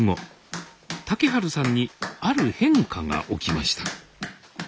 竹春さんにある変化が起きました。